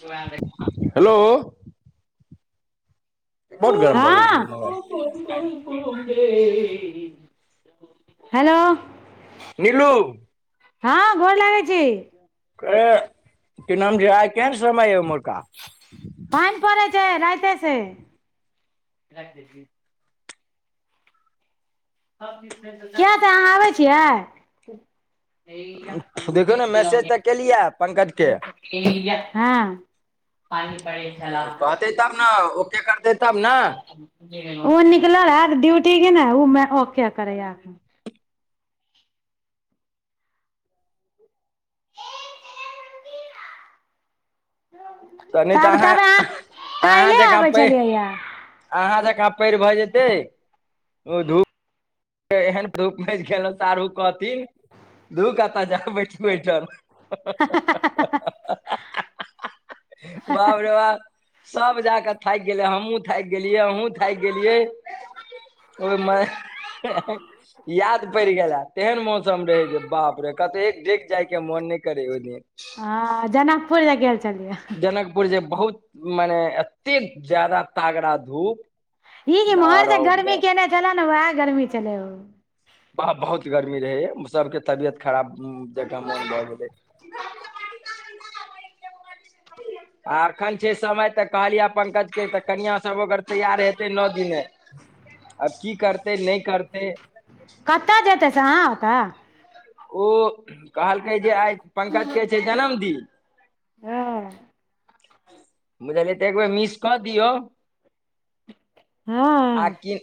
तु उहै देख। हलो! बहुत [unintelligible] गरम हँ। भऽ गेल छै मोबाइल [unintelligible] हलो! नीलू हँ, गोर लागै छी। कि नाम छै, केहन समय अइ उम्हरका? पानि पड़ै छै, राति से। किए तऽ अहाँ आबै छियै। देखियौ ने मैसेज तऽ केलियै पंकज के [unintelligible] हँ। पानि परै छला। एतै तब न, ओके करतै तब न। ओ निकलल हैत, ड्यूटी के ने, ओ किया करै या एखनी। त नइ तऽ, तब अहाँ, तब अहाँ काल्हिे जकाँ आबै पै छलियैया अहाँ जेका पैइर भए जेतै, ओ धूप एहन धूप मचि गेलै, साढ़ु कहथिन धूप कतऽ जाएब, बैठु अइठाम। हा- हा- हा -हा- ह- ह -ह बाप रे बाप! सब जाकऽ थाकि गेलै, हमहुँ थाकि गेलियै, अहुं थाकि गेलियै। ओइमे ये हे। याद पड़ि गेल हैत, तेहन मौसम रहै जे, बाप रे कतौ एक डेक जायके मोन नइ करे, ओइ दिन। हं, जनकपुर जे गेल छलियै। पुर जे बहुत मने एत्ते जादा तागड़ा धूप ई इम्हर जे आरो गर्मी केने छलै ने वैह गर्मी छलय ओ। बा बहुत गर्मी रहय यै सबके तबियत खराब उम्म जका मोन भ गेलय। आ अखन छै समय तऽ कहलियै पंकज के कनिआ सब अगर तैयार हेतय न दिने आब की करतै, नै करतै। कतय जेतै से अहाँ ओतय? ओ कहलकै जे आय पंकज के छै जन्मदिन हां। बुझलियै तऽ एक बेेर मिस कऽ दियौ आ हँ की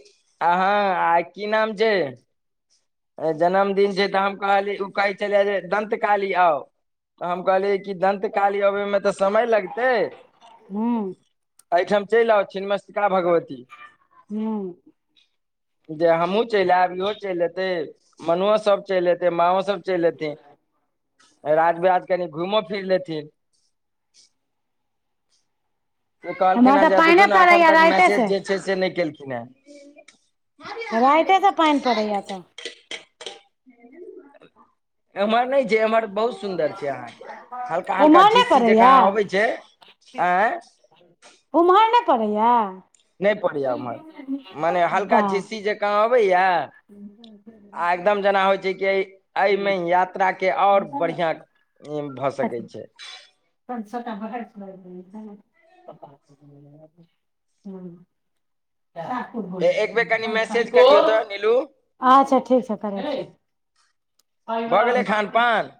आ हाँ आ की नाम छै? ए जन्मदिन छै तऽ हम कहलीए उ कहय छलै जे दंत काली आउ तऽ हम कहलीए जे दंत काली अबय मे तऽ समय लगते हूँ ए ठाम चैल आउ छीन मस्तिका भगवती हूँ जे हम्हुँ चैल ऐब इहो चैल एतय मनुवा सब चैल ऐतय, माँओ सब चैल ऐतय। राज बिराज कनि घूईमो फिर लेथिन से कहलखिन्ह एम्हर हें तऽ जे देखियो पानिए नै एखन पड़ैया तक राइते मैसेज से जे छै से नै केलखिन्ह हेँ। राईते से पैन पड़य यै तऽ एम्हर नै छै, एम्हर बहुत सुन्दर छै अहाँके। हल्का-हल्का उम्हर नहि झीसी पड़ैया जकाँ अबय छै ऐं उम्हर नै पड़य यै। नै पड़य यै ईम्हर मने हल्का वाह झीस्सी जका क आबय यै आ एकदम जेना होय छै कि ऐ मे यात्रा के और बढ़िया उम्म भऽ सकय छै। पैन सबटा [unintelligible] एक बेर कनि तै मैसेज टिकु, करियौ तऽ नीलू अच्छा ठीक छा करय छीयै। भऽ गेलै खान पान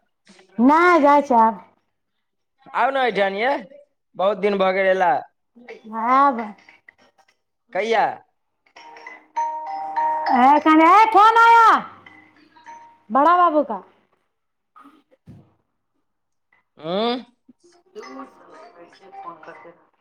नै जाए छै आब। आउ नै एठन यै बहुत दिन भऽ गेल एला। ऐब। कहिया? ऐं एखन ऐ फोन आया बड़ा बाबू का। हूं। [unintelligible]